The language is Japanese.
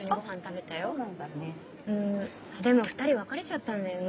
でも２人別れちゃったんだよね。